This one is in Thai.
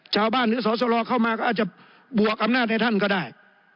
ชาวบ้านหรือสสเข้ามาก็อาจจะบวกอำนาจในท่านก็ได้